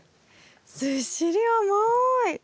ずっしり重い！